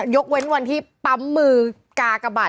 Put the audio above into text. ยกเว้นวันที่ปั๊มมือกากบาท